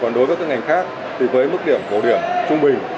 còn đối với các ngành khác thì với mức điểm phổ điểm trung bình